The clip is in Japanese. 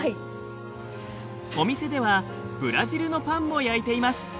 お店ではブラジルのパンも焼いています。